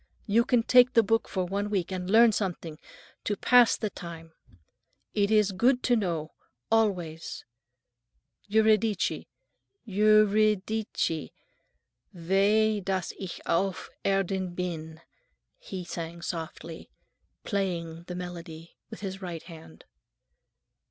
You can take the book for one week and learn something, to pass the time. It is good to know—always. Euridice, Eu—ri—di—ce, weh dass ich auf Erden bin!" he sang softly, playing the melody with his right hand.